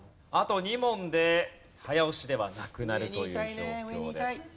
あと２問で早押しではなくなるという状況です。